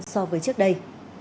so với trước đây